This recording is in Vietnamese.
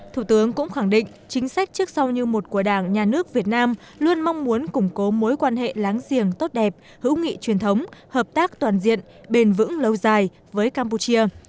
thủ tướng cũng khẳng định chính sách trước sau như một của đảng nhà nước việt nam luôn mong muốn củng cố mối quan hệ láng giềng tốt đẹp hữu nghị truyền thống hợp tác toàn diện bền vững lâu dài với campuchia